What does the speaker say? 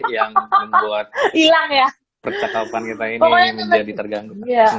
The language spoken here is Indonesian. yang membuat percakapan kita ini menjadi terganggu